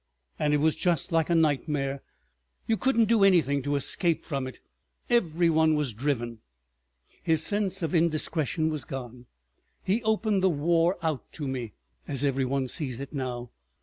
And it was just like a nightmare, you couldn't do anything to escape from it—every one was driven!" His sense of indiscretion was gone. He opened the war out to me—as every one sees it now.